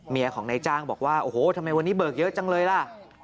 เมียของนายจ้างบอกว่าโอ้โหทำไมวันนี้เบิกเยอะจังเลยล่ะ